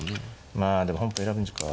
まあでも本譜選ぶんですか。